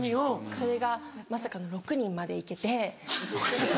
それがまさかの６人まで行けて。